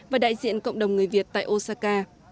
và đại diện cộng đồng người việt tại osaka